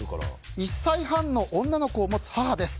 １歳半の女の子を持つ母です。